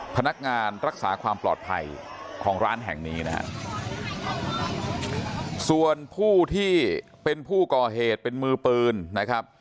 พนักงานรักษาความปลอดภัยของร้านแห่งนี้นะฮะส่วนผู้ที่เป็นผู้ก่อเหตุเป็นมือปืนนะครับ